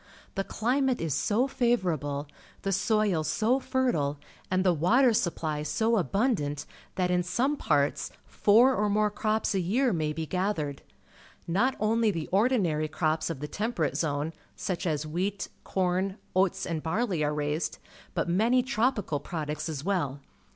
The climate is so favourable, the soil so fertile, and the water supply .so abundant, that in some parts four or more crops a year maj^ be gathered. Not only the ordinary crops of the Temperate Zone, such as wheat, corn, oats, and barley, are raised, but many tropical products as well.